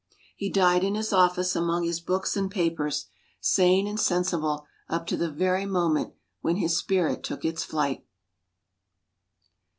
He died in his office among his books and papers, sane and sensible up to the very moment when his spirit took its flight.